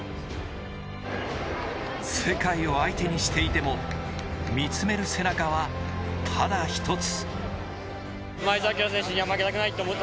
世界を相手にしていても見つめる背中は、ただ一つ。